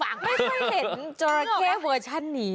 ไม่เคยเห็นจอแรกเวอร์ชันนี้